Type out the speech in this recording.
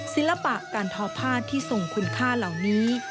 ศิลปะการทอผ้าที่ทรงคุณค่าเหล่านี้